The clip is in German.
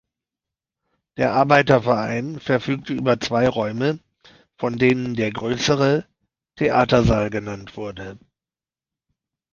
Der Arbeiterverein verfügte über zwei Räume, von denen der größere „Theatersaal“ genannt wurde.